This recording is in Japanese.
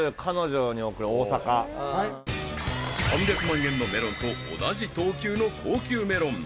［３００万円のメロンと同じ等級の高級メロン］